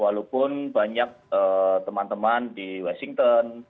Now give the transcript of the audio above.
walaupun banyak teman teman di washington